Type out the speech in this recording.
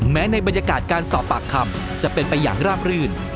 แม้ในบรรยากาศการสอบปากคำจะเป็นไปอย่างราบรื่น